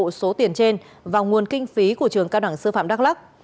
bộ số tiền trên và nguồn kinh phí của trường cao đẳng sư phạm đắk lắc